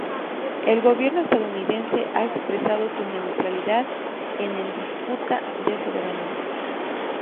El gobierno estadounidense, ha expresado su neutralidad en el disputa de soberanía.